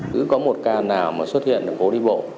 cứ có một ca nào mà xuất hiện là cố đi bộ